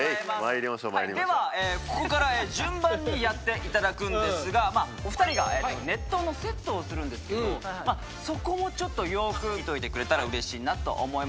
ではここから順番にやっていただくんですがお二人が熱湯のセットをするんですけどそこもよく見といてくれたらうれしいなと思います。